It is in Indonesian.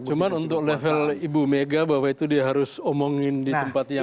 cuma untuk level ibu mega bahwa itu dia harus omongin di tempat yang